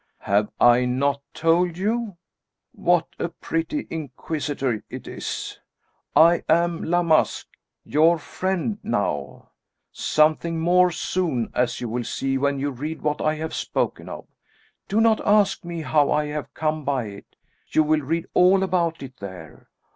"Have I not told you? What a pretty inquisitor it is! I am La Masque your friend, now; something more soon, as you will see when you read what I have spoken of. Do not ask me how I have come by it you will read all about it there.